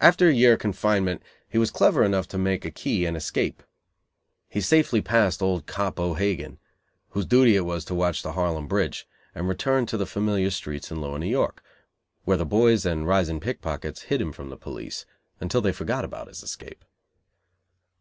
After a year of confinement he was clever enough to make a key and escape. He safely passed old "Cop O'Hagen," whose duty it was to watch the Harlem bridge, and returned to the familiar streets in lower New York, where the boys and rising pickpockets hid him from the police, until they forgot about his escape.